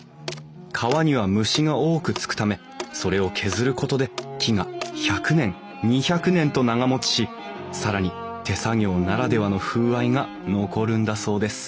皮には虫が多くつくためそれを削ることで木が１００年２００年と長もちし更に手作業ならではの風合いが残るんだそうです